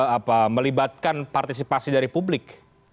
apa melibatkan partisipasi dari publik